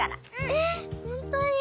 えっホントに？